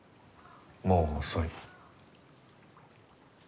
もう遅い。